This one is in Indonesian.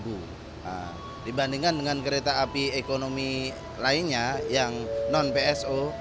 berbandingkan dengan kereta api ekonomi lainnya yang non pso